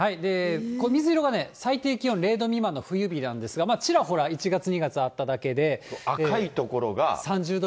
水色が最低気温０度未満の冬日なんですが、ちらほら１月、２赤い所が。